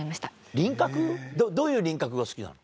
どういう輪郭が好きなの？